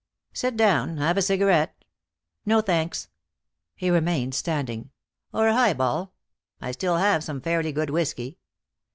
"Sit down. Have a cigarette?" "No, thanks." He remained standing. "Or a high ball? I still have some fairly good whiskey."